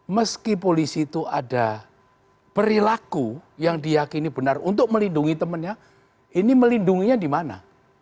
meski polisi itu ada perilaku yang diyakini benar untuk melindungi temennya ini melindunginya dimana